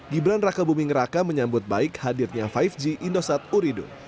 gibran raka buming raka menyambut baik hadirnya lima g indosat urido